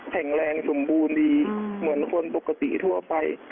แข็งแรงสมบูรณ์ดีเหมือนคนปกติทั่วไป